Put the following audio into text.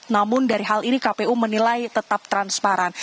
namun dari hal ini kpu menilai tetap transparan